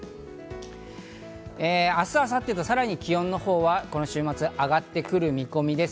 明日、明後日とさらに気温のほうはこの週末、上がってくる見込みです。